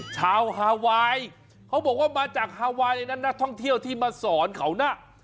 ชาวฮาไวเขาบอกว่ามาจากฮาไวนั้นนะท่องเที่ยวที่มาสอนเขานะ